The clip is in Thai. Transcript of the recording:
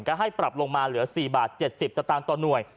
ก็ให้ปรับลงมาเหลือ๔บาท๗๐สตางค์ต่อหน่วย